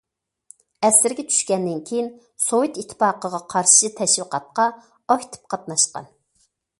ئەسىرگە چۈشكەندىن كېيىن سوۋېت ئىتتىپاقىغا قارشى تەشۋىقاتقا ئاكتىپ قاتناشقان.